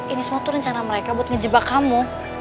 ini semua tuh rencana mereka buat ngejebak kamu